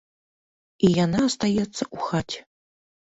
І яна астаецца ў хаце.